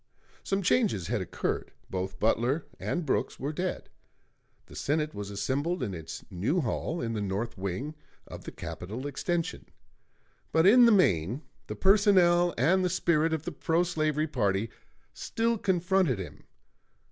Some changes had occurred: both Butler and Brooks were dead; the Senate was assembled in its new hall in the north wing of the Capitol extension. But in the main the personnel and the spirit of the pro slavery party still confronted him.